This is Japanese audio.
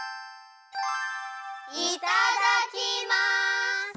いただきます！